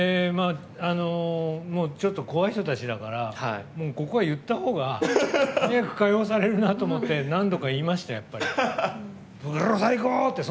もうちょっと怖い人たちだからここは言った方が、早く解放されるなって思って言いました。